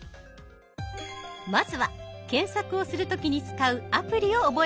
まずは検索をする時に使うアプリを覚えましょう。